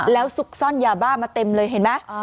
แล้วซุกซ่อนยาบ้ามาเต็มเลยเห็นไหม